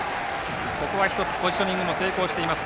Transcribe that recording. ここは１つ、ポジショニングも成功しています。